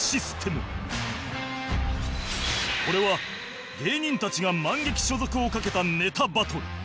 これは芸人たちがマンゲキ所属を懸けたネタバトル